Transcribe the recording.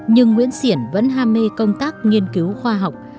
nhưng nguyễn xiển vẫn ham mê công tác nghiên cứu khoa học